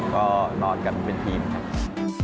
ก็นอนกันเป็นทีมครับ